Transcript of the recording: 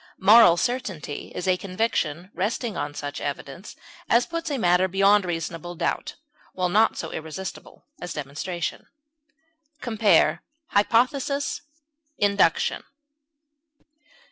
Moral certainty is a conviction resting on such evidence as puts a matter beyond reasonable doubt, while not so irresistible as demonstration. Compare HYPOTHESIS; INDUCTION.